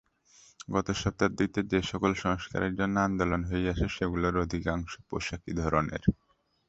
গত শতাব্দীতে যে-সকল সংস্কারের জন্য আন্দোলন হইয়াছে, সেগুলির অধিকাংশ পোশাকী ধরনের।